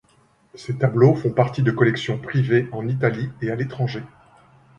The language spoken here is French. Ses tableaux font partie de collections privées en Italie et à l'étranger.